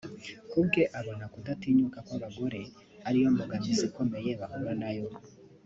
Kubwe abona kudatinyuka kw’abagore ariyo mbogamizi ikomeye bahura nayo